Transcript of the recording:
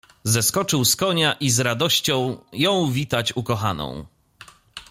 "Zeskoczył z konia i z radością jął witać ukochaną."